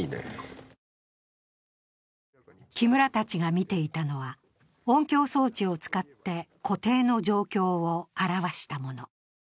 木村たちが見ていたのは、音響装置を使って湖底の状況を表したもの。